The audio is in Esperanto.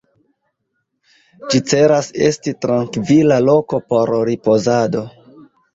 Ĝi celas esti trankvila loko por ripozado.